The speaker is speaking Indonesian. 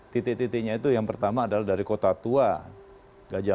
titik titiknya itu yang pertama adalah dari kota tua gajah mada sampai dengan blok m